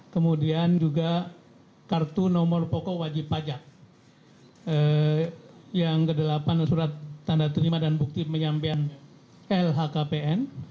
kemudian juga kartu nomor pokok wajib pajak yang kedelapan surat tanda terima dan bukti penyampaian lhkpn